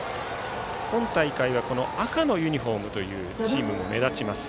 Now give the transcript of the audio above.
今大会は赤のユニフォームというチームも目立ちます。